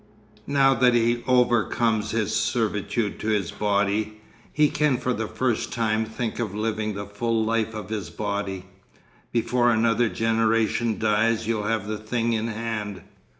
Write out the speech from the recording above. Now that he overcomes his servitude to his body, he can for the first time think of living the full life of his body.... Before another generation dies you'll have the thing in hand.